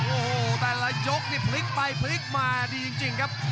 โอ้โหแต่ละยกนี่พลิกไปพลิกมาดีจริงครับ